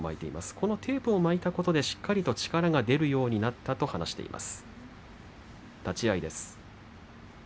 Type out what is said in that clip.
このテープを巻いたことでしっかりと力が出るようになったと話しています。